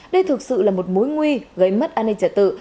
đây thực sự là một mối nguy gây mất an ninh trả tự